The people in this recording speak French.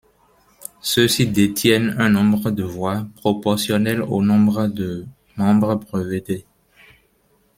Ceux-ci détiennent un nombre de voix, proportionnel au nombre de membres brevetés.